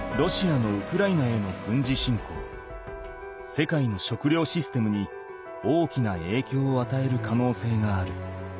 世界の食料システムに大きなえいきょうをあたえるかのうせいがある。